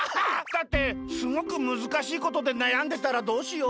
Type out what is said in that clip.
だってすごくむずかしいことでなやんでたらどうしよう。